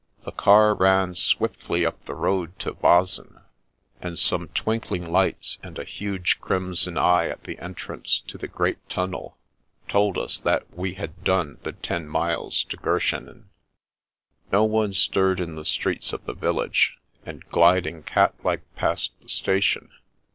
The car ran swiftly up the road to Wasen, and some twinkling lights and a huge crimson eye at the entrance to the great tunnel told us that we had done the ten miles to Goschenen. No one stirred in the streets of the village, and, gliding cat like past the station.